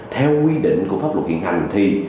theo quy định của pháp luật hiện hành